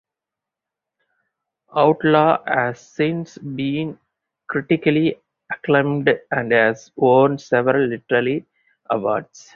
"Outlaw" has since been critically acclaimed and has won several literary awards.